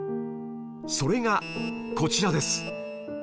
それがこちらです